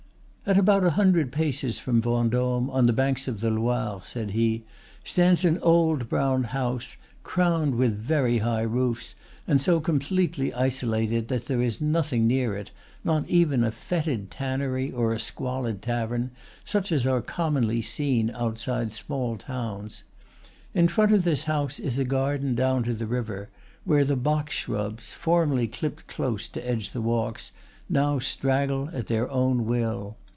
"At about a hundred paces from Vendôme, on the banks of the Loir," said he, "stands an old brown house, crowned with very high roofs, and so completely isolated that there is nothing near it, not even a fetid tannery or a squalid tavern, such as are commonly seen outside small towns. In front of this house is a garden down to the river, where the box shrubs, formerly clipped close to edge the walks, now straggle at their own will.